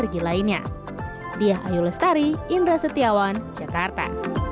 bisa menggunakan susu kacang mete